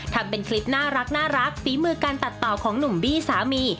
ทำเป็นคลิปน่ารักฝีมือการตัดต่อของหนุ่มบี้สามี